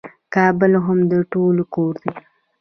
کابل هم د ټولو کور دی.